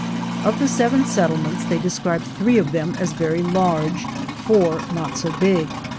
Of the seven settlements, they describe three of them as very large ; four not so big.